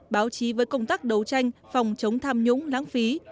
báo chí với công tác đấu tranh phòng chống tham nhũng lãng phí